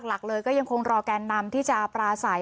หลักเลยก็ยังคงรอแกนนำที่จะปราศัย